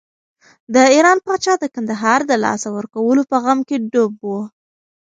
د ایران پاچا د کندهار د لاسه ورکولو په غم کې ډوب و.